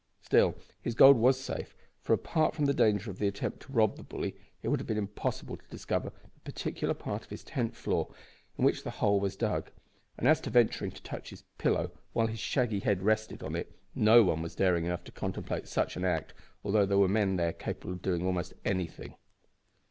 Still his gold was safe, for, apart from the danger of the attempt to rob the bully, it would have been impossible to discover the particular part of his tent floor in which the hole was dug, and, as to venturing to touch his pillow while his shaggy head rested on it, no one was daring enough to contemplate such an act although there were men there capable of doing almost anything.